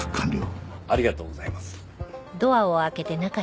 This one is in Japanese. ありがとうございます。